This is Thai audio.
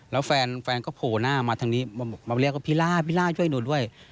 แล้วแฟนก็โผล่หน้ามาทางนี้มาเรียกว่าพิล่าพี่ล่าช่วยหนูด้วย